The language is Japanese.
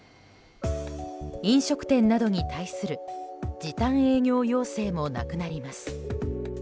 飲食店などに対する時短営業要請もなくなります。